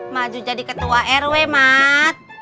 maju jadi ketua rw mas